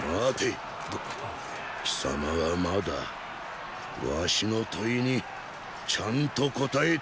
貴様はまだ儂の問いにちゃんと答えておらぬ。